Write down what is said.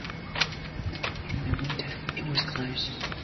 In the winter it was closed.